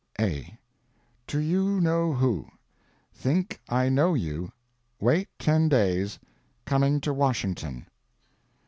A. TO YOU KNOW WHO. Think I know you. Wait ten days. Coming to Washington.